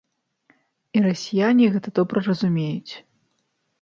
І расіяне гэта добра разумеюць.